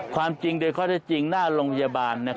ความจึงด้วยความจริงหน้าโรงยาบาล